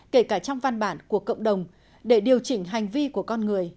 kể cả trong văn bản của cộng đồng để điều chỉnh hành vi của con người